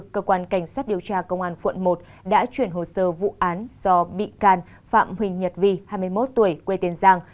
cơ quan cảnh sát điều tra công an quận một đã chuyển hồ sơ vụ án do bị can phạm huỳnh nhật vi hai mươi một tuổi quê tiền giang